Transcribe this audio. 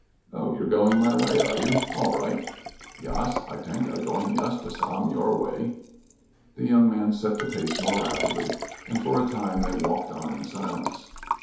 "Oh, you're going my way, are you? All right." "Yas, I tank I going yust de sam your way." The young man set the pace more rapidly, and for a time they walked on in silence.